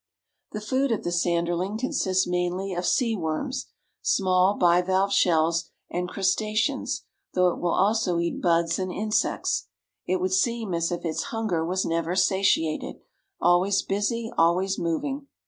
The food of the Sanderling consists mainly of sea worms, small bivalve shells and crustaceans, though it will also eat buds and insects. It would seem as if its hunger was never satiated—always busy, always moving.